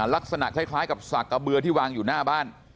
ลักษณะคล้ายกับสากกระเบือที่วางอยู่หน้าบ้าน